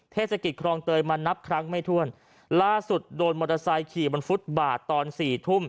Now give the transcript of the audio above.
เทศกิจครองเตยมานับครั้งไม่ถ้วนล่าสุดโดนมอเตอร์ไซค์ขี่บนฟุตบาทตอนสี่ทุ่ม